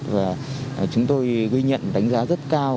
và chúng tôi ghi nhận đánh giá rất cao